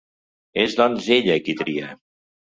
És doncs ella qui tria.